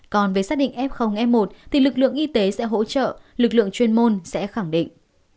còn với xác định f f một thì lực lượng y tế sẽ hỗ trợ lực lượng chuyên môn sẽ khẳng định